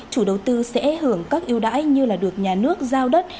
chủ đầu tư sẽ hưởng các yêu đãi như là được nhà nước giao đất